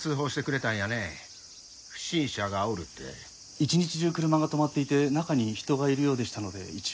一日中車が止まっていて中に人がいるようでしたので一応。